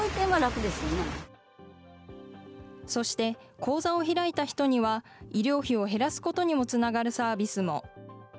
口座を開いた人には医療費を減らすことにもつながるサービスも。